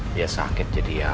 dia sakit jadi ya